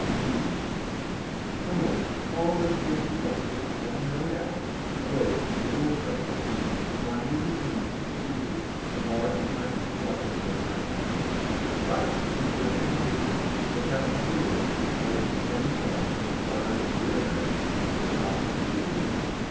BEATTIE Emily, called, as she had requested, at an early hour, awoke, little refreshed by sleep, for uneasy dreams had pursued her, and marred the kindest blessing of the unhappy. But, when she opened her casement, looked out upon the woods, bright with the morning sun, and inspired the pure air, her mind was soothed.